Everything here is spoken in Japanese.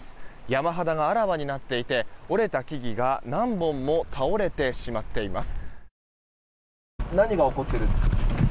山肌があらわになっていて折れた木々が何本も倒れてしまっています。